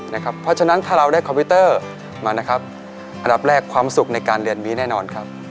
เพราะฉะนั้นถ้าเราได้คอมพิวเตอร์มานะครับอันดับแรกความสุขในการเรียนวีแน่นอนครับ